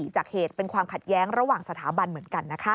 จากเหตุเป็นความขัดแย้งระหว่างสถาบันเหมือนกัน